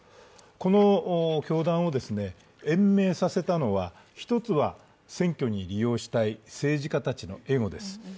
この教団を延命させたのは、一つは選挙に利用したい政治家たちのエゴです。